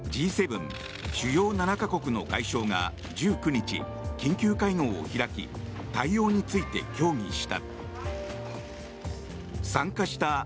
・主要７か国の外相が１９日、緊急会合を開き対応について協議した。